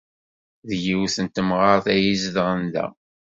D yiwet n temɣart ay izedɣen da.